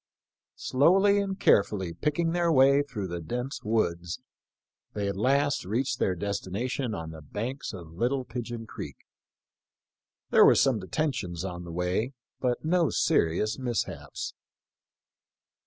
Slowly and carefully picking their way through the dense woods, they at last reached their destination on the banks of Little Pigeon creek. There were some detentions on the way, but no serious mishaps.